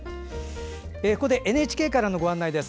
ここでＮＨＫからのご案内です。